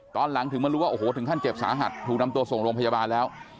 ตอนหลังถึงมารู้ว่าโอ้โหถึงขั้นเจ็บสาหัสถูกนำตัวส่งโรงพยาบาลแล้ว